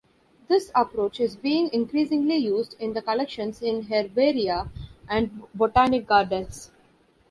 This approach is being increasingly used in collections in herbaria and botanic gardens.